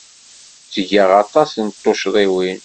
Ttgeɣ aṭas n tuccḍiwin.